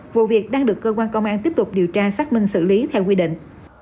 vụ việc đang được cơ quan công an tiếp tục điều tra xác minh xử lý theo quy định